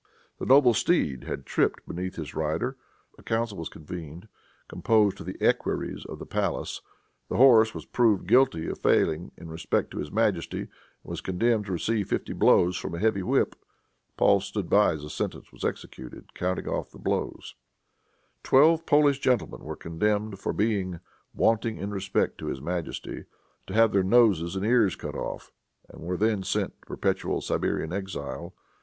The noble steed had tripped beneath his rider. A council was convened, composed of the equerries of the palace. The horse was proved guilty of failing in respect to his majesty, and was condemned to receive fifty blows from a heavy whip. Paul stood by, as the sentence was executed, counting off the blows. [Footnote 24: Memoires Secret, tome i., page 334.] Twelve Polish gentlemen were condemned, for being "wanting in respect to his majesty," to have their noses and ears cut off, and were then sent to perpetual Siberian exile.